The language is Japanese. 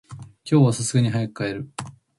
今日は流石に早く帰る。